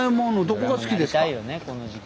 この時期。